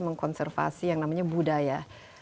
mengkonservasi yang namanya budaya